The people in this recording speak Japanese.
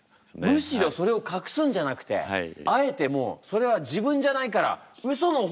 むしろそれを隠すんじゃなくてあえてもうそれは自分じゃないからウソの方に突き進んでいけと！